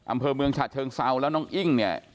อำเภอเมืองฉะเชิงเซาแล้วน้องอิ้งเนี่ย